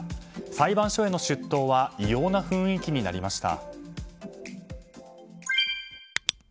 裁判所への出頭は異様な雰囲気になりました。